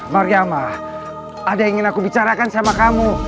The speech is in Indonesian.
mariamah ada yang ingin aku bicarakan sama kamu